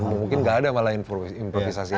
mungkin nggak ada malah improvisasi